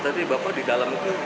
tadi bapak di dalam itu